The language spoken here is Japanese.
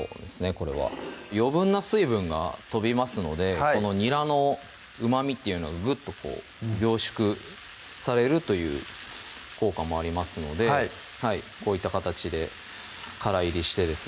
これは余分な水分がとびますのでにらのうまみっていうのがぐっと凝縮されるという効果もありますのでこういった形でからいりしてですね